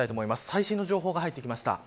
最新の情報が入ってきました。